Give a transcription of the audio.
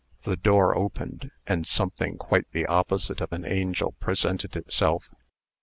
The door opened, and something quite the opposite of an angel presented itself.